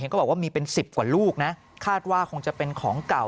ก็บอกว่ามีเป็น๑๐กว่าลูกนะคาดว่าคงจะเป็นของเก่า